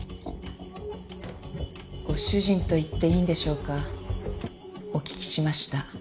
ご主人と言っていいんでしょうかお聞きしました。